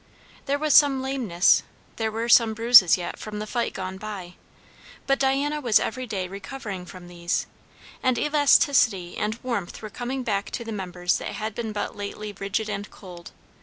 There was some lameness, there were some bruises yet from the fight gone by; but Diana was every day recovering from these, and elasticity and warmth were coming back to the members that had been but lately rigid and cold.